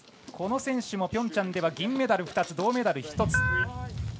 この選手もピョンチャンでは銀メダル２つ、銅メダル１つ。